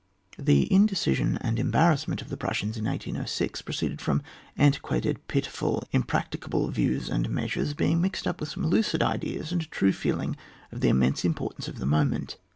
The indecision and embarrassment of the Prussians in 1806, proceeded from antiquated, pitiful, impracticable views and measures being mixed up with some lucid ideas and a true feeling of the immense importance of the moment.